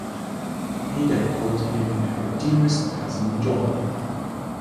Ada called him "her dearest cousin, John."